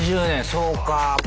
そうか。